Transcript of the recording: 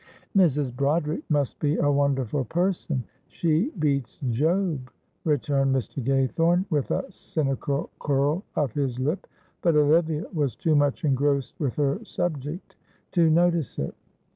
"Mrs. Broderick must be a wonderful person. She beats Job," returned Mr. Gaythorne, with a cynical curl of his lip; but Olivia was too much engrossed with her subject to notice it.